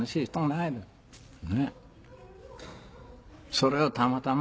それをたまたま。